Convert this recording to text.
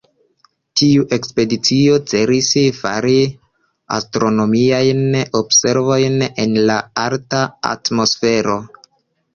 Tiu ekspedicio celis fari astronomiajn observojn en la alta atmosfero.